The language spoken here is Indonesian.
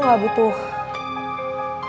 gue gak butuh